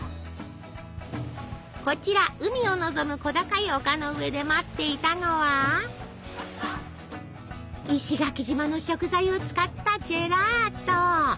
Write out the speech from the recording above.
こちら海をのぞむ小高い丘の上で待っていたのは石垣島の食材を使ったジェラート！